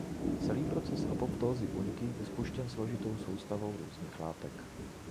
Celý proces apoptózy buňky je spuštěn složitou soustavou různých látek.